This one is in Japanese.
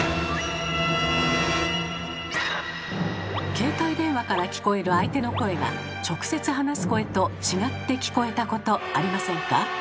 携帯電話から聞こえる相手の声が直接話す声と違って聞こえたことありませんか？